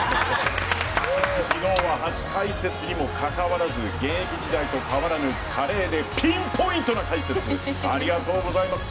昨日は初解説にもかかわらず現役時代と変わらぬ華麗でピンポイントな解説ありがとうございます。